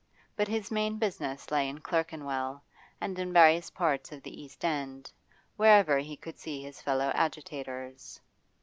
But his main business lay in Clerkenwell and in various parts of the East End, wherever he could see his fellow agitators.